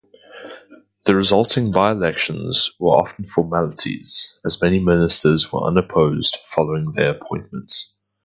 The resulting by-elections were often formalities, as many ministers were unopposed following their appointments.